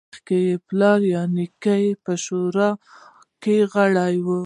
چې مخکې یې پلار یا نیکه په شورا کې غړی و